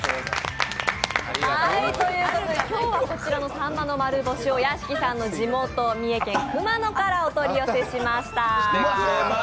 今日はこちらのさんまの丸干しを屋敷さんの地元三重県熊野からお取り寄せしました。